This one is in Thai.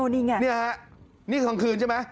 นี่คือทางคืนใช่ไหม